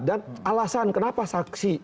dan alasan kenapa saksi